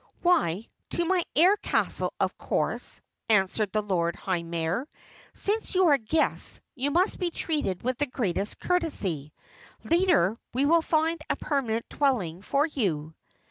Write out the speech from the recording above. "Why, to my Air Castle, of course," answered the Lord High Mayor. "Since you are guests, you must be treated with the greatest courtesy. Later we will find a permanent dwelling for you."